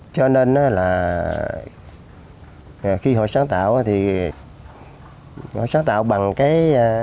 cho nên là khi họ sáng tạo thì họ sáng tạo bằng cái